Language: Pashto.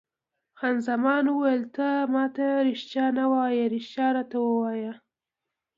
خان زمان وویل: ته ما ته رښتیا نه وایې، رښتیا راته ووایه.